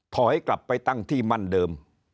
ถอยกลับไปตั้งที่มั่นเดิม